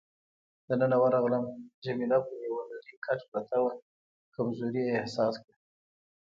دننه ورغلم، جميله پر یو نرۍ کټ پرته وه، کمزوري یې احساس کړه.